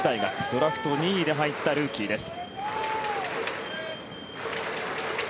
ドラフト２位で入ったルーキーです。